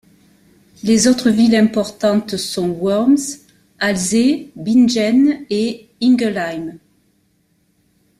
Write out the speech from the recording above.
Les autres villes importantes sont Worms, Alzey, Bingen et Ingelheim.